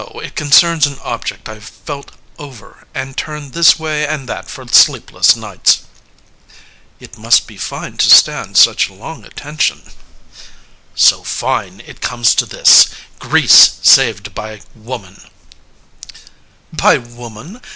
It concerns an object I've felt over And turned this way and that for sleepless nights. CALONICE It must be fine to stand such long attention. LYSISTRATA So fine it comes to this Greece saved by Woman! CALONICE By Woman?